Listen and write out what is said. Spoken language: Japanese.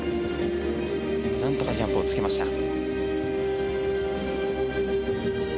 なんとかジャンプをつけました。